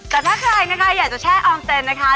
แต่ถ้าใครนะคะอยากจะแช่อออมเซนนะคะ